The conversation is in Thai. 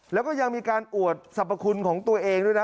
แล้วก็ยังมีการอวดสรรพคุณของตัวเองด้วยนะ